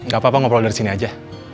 gak apa apa ngobrol dari sini aja